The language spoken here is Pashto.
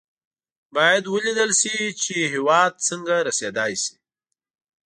باید ولېدل شي چې هېواد څنګه رسېدای شي.